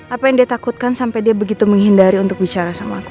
apa yang dia takutkan sampai dia begitu menghindari untuk bicara sama aku